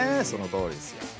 そのとおりですよ。